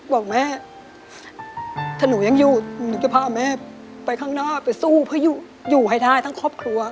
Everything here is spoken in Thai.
บอกแม่ถ้าหนูยังอยู่หนูจะพาแม่ไปข้างหน้าไปสู้เพื่ออยู่ให้ได้ทั้งครอบครัว